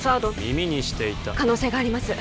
耳にしていた可能性があります